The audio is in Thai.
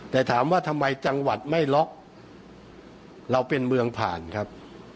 แต่ถามว่าทำไมจังหวัดไม่ล็อกเราเป็นเมืองผ่านครับ